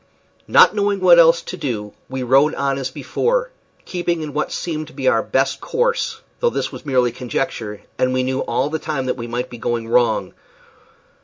Not knowing what else to do we rowed on as before, keeping in what seemed our best course, though this was mere conjecture, and we knew all the time that we might be going wrong.